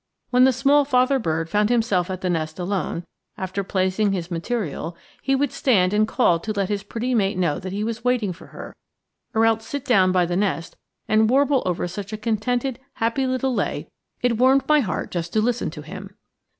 When the small father bird found himself at the nest alone, after placing his material he would stand and call to let his pretty mate know that he was waiting for her; or else sit down by the nest and warble over such a contented, happy little lay it warmed my heart just to listen to him.